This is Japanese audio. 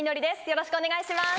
よろしくお願いします。